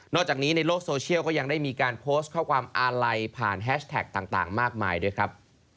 จากนี้ในโลกโซเชียลก็ยังได้มีการโพสต์ข้อความอาลัยผ่านแฮชแท็กต่างมากมายด้วยครับ